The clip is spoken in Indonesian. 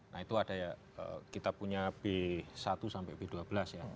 nah itu ada ya kita punya b satu sampai b dua belas ya